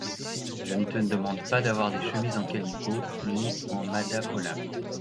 Je ne te demande pas d’avoir des chemises en calicot, ni en madapolam !